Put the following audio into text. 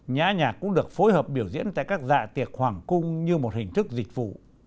nhã nhạc cũng được phối hợp biểu diễn tại các dạ tiệc hoàng cung như một hình thức dịch vụ